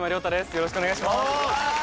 よろしくお願いします！